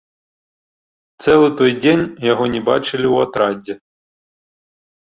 Цэлы той дзень яго не бачылі ў атрадзе.